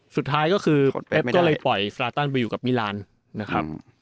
สุดท้ายก็คือเอฟก็เลยปล่อยสลาตันไปอยู่กับมิลานนะครับ